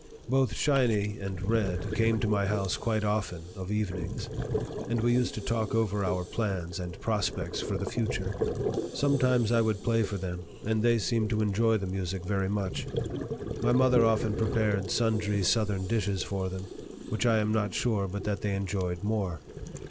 Both "Shiny" and "Red" came to my house quite often of evenings, and we used to talk over our plans and prospects for the future. Sometimes I would play for them, and they seemed to enjoy the music very much. My mother often prepared sundry Southern dishes for them, which I am not sure but that they enjoyed more.